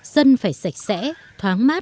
sân phải sạch sẽ thoáng mát